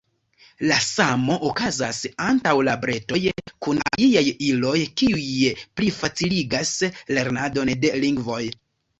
La samo okazas antaŭ la bretoj kun aliaj iloj, kiuj plifaciligas lernadon de lingvoj.